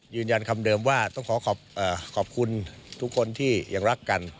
ยืนยันคำเดิมว่าต้องขอขอบคุณทุกคนที่ยังรักกัน